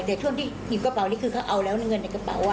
แต่ช่วงที่หยิบกระเป๋านี่คือเขาเอาแล้วนะเงินในกระเป๋า